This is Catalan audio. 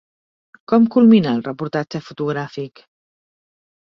Com culmina el reportatge fotogràfic?